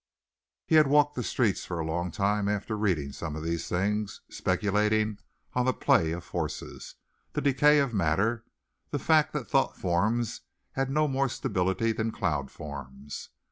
He had walked the streets for a long time after reading some of these things, speculating on the play of forces, the decay of matter, the fact that thought forms had no more stability than cloud forms.